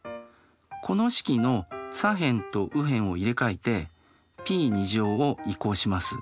この式の左辺と右辺を入れ替えてｐを移項します。